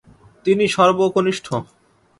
তিনি সর্বকনিষ্ঠ।